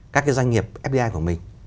các doanh nghiệp fdi của mình